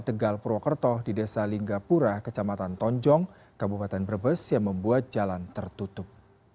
tegal purwokerto di desa linggapura kecamatan tonjong kabupaten brebes yang membuat jalan tertutup